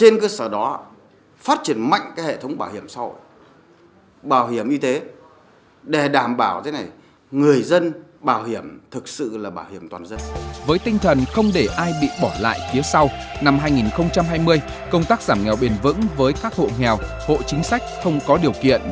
năm hai nghìn hai mươi công tác giảm nghèo bền vững với các hộ nghèo hộ chính sách không có điều kiện